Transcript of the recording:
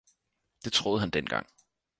Det troede han dengang